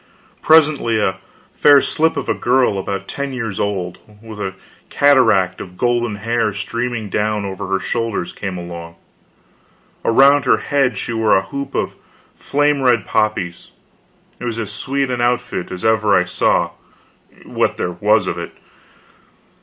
Presently a fair slip of a girl, about ten years old, with a cataract of golden hair streaming down over her shoulders, came along. Around her head she wore a hoop of flame red poppies. It was as sweet an outfit as ever I saw, what there was of it.